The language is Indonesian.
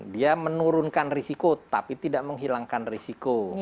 dia menurunkan risiko tapi tidak menghilangkan risiko